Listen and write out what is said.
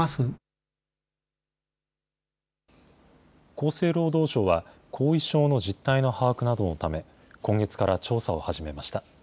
厚生労働省は、後遺症の実態の把握などのため、今月から調査を始めました。